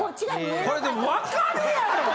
これでも分かるやろ！